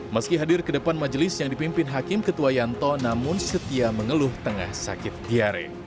meski hadir ke depan majelis yang dipimpin hakim ketua yanto namun setia mengeluh tengah sakit diare